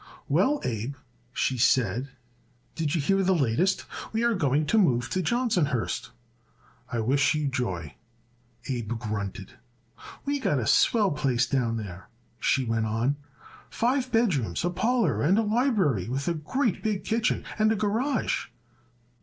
"Well, Abe," she said, "did you hear the latest? We are going to move to Johnsonhurst." "I wish you joy," Abe grunted. "We got a swell place down there," she went on. "Five bedrooms, a parlor and a library with a great big kitchen and a garage."